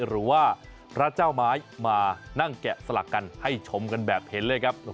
หรือว่าพระเจ้าไม้มานั่งแกะสลักกันให้ชมกันแบบเห็นเลยครับ